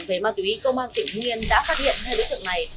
về ma túy công an tỉnh hưng yên đã phát hiện hai đối tượng này